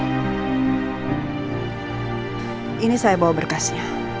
ini saya bawa berkasnya